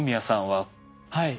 はい。